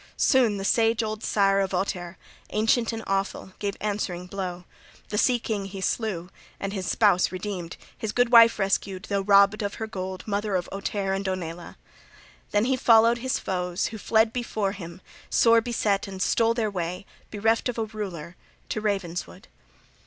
Soon the sage old sire {38e} of Ohtere, ancient and awful, gave answering blow; the sea king {38f} he slew, and his spouse redeemed, his good wife rescued, though robbed of her gold, mother of Ohtere and Onela. Then he followed his foes, who fled before him sore beset and stole their way, bereft of a ruler, to Ravenswood.